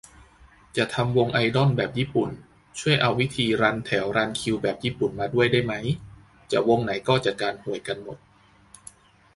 จะทำวงไอดอลแบบญี่ปุ่น ช่วยเอาวิธีรันแถวรันคิวแบบญี่ปุ่นมาด้วยได้มั้ย จะวงไหนก็จัดการห่วยกันหมด